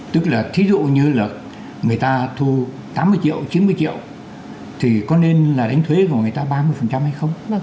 tức là thí dụ như là người ta thu tám mươi triệu chín mươi triệu thì có nên là đánh thuế của người ta ba mươi hay không